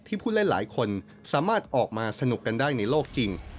ผู้เล่นหลายคนสามารถออกมาสนุกกันได้ในโลกจริง